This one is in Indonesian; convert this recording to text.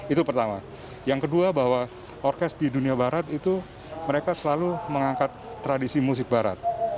itu pertama yang kedua bahwa orkes di dunia barat itu mereka selalu mengangkat tradisi musik barat